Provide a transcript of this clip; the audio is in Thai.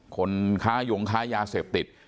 คนค้ายงค้ายาเสพติด